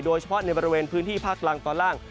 โดยเฉพาะในบริเวณพื้นที่ภาคล่างตอนล่าง